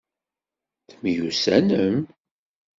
Temyussanem?